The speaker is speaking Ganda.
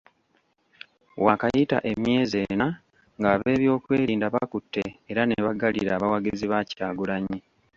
Waakayita emyezi ena ng'abeebyokwerinda bakutte era ne baggalira abawagizi ba Kyagulanyi.